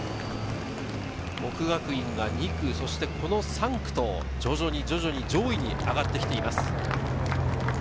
國學院が２区、この３区と徐々に徐々に、上位に上がってきています。